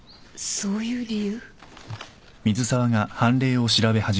そういう理由。